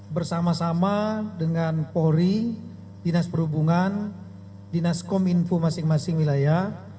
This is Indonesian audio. bersama sama dengan polri dinas perhubungan dinas kominfo masing masing wilayah